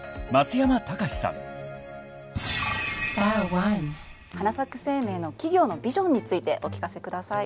はなさく生命の企業のビジョンについてお聞かせください。